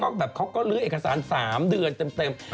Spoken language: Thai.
แบบเขาก็ลื้อเอกสาร๓เดือนเต็ม